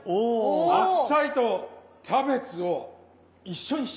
白菜とキャベツを一緒にしちゃう。